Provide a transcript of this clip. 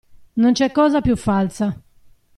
Non c'è cosa più falsa.